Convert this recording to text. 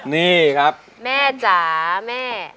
นี่ครับแม่จ๋าแม่